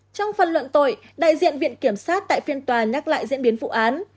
trong phần luận tội đại diện viện kiểm sát tại phiên tòa nhắc lại diễn biến vụ án